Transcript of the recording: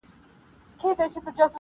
ډکي هدیرې به سي تشي بنګلې به سي-